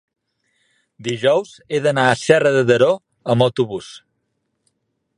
dijous he d'anar a Serra de Daró amb autobús.